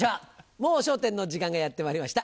『もう笑点』の時間がやってまいりました。